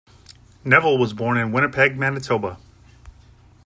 Neville was born in Winnipeg, Manitoba.